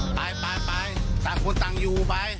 ไปไปต่างคนต่างอยู่ไป